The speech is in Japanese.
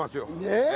ねえ！